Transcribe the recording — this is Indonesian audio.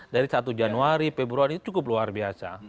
dari satu januari februari cukup luar biasa